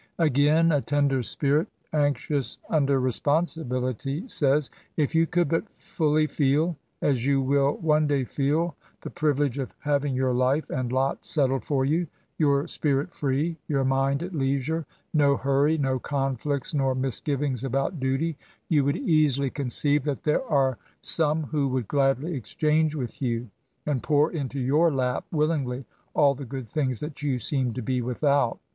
Again — a tender spirit, anxious under responsibility, says " K you could but ftdly feel, as you will one day feel, the privi lege of having your life and lot settled for you — your spirit free, your mind at leisure — ^no hurry, no conflicts nor misgivings about duty — ^you would easily conceive that there are some who would gladly exchange with you, and pour into your lap willingly all the good things that you seem to be without.